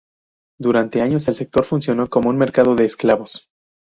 Durante años, el sector funcionó como un mercado de esclavos.